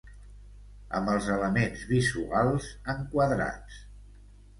Amb els elements visuals enquadrats.